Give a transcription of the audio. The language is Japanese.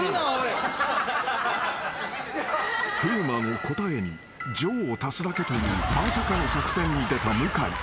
［風磨の答えに「上」を足すだけというまさかの作戦に出た向井］